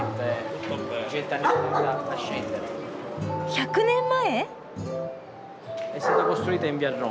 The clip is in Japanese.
１００年前！？